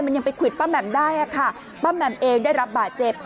มันยังไปควิดป้าแหม่มได้ค่ะป้าแหม่มเองได้รับบาดเจ็บ